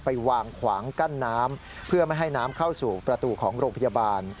ไปวางขวางกั้นน้ำเพื่อไม่ให้น้ำเข้าสู่ประตูของโรงพยาบาล